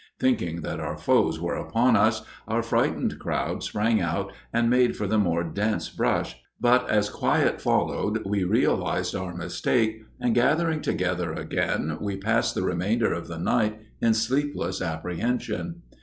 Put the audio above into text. Thinking that our foes were upon us, our frightened crowd sprang out and made for the more dense brush, but as quiet followed we realized our mistake and gathering together again we passed the remainder of the night in sleepless apprehension.